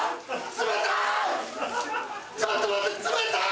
冷たい！